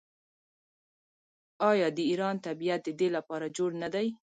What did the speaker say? آیا د ایران طبیعت د دې لپاره جوړ نه دی؟